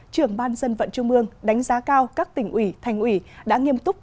trưởng ban dân vận trung ương đánh giá cao các tỉnh ủy thành ủy đã nghiêm túc